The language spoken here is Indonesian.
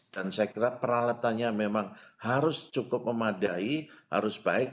dan saya kira peralatannya memang harus cukup memadai harus baik